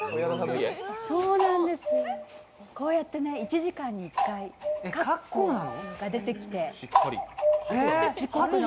こうやってね１時間に１回カッコーが出てきて。